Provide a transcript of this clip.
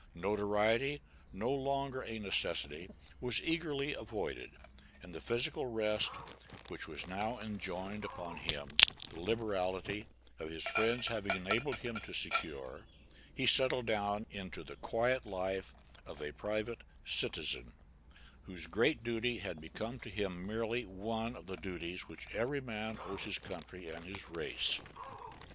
Notoriety, no longer a necessity, was eagerly avoided; and the physical rest which was now enjoined upon him the liberality of his friends having enabled him to secure, he settled down into the quiet life of a private citizen, whose great duty had become to him merely one of the duties which every man owes his country and his race.